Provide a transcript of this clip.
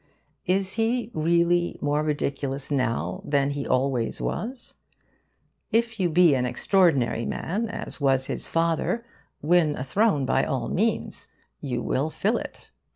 Is he, really, more ridiculous now than he always was? If you be an extraordinary man, as was his father, win a throne by all means: you will fill it.